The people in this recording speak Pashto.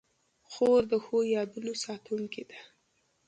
خور د ښو یادونو ساتونکې ده.